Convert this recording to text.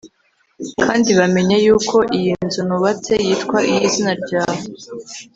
kandi bamenye yuko iyi nzu nubatse, yitwa iy’izina ryawe.